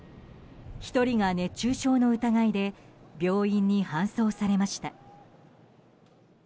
１人が熱中症の疑いで病院に搬送されました。